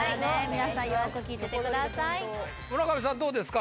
皆さんよく聴いててください村上さんどうですか？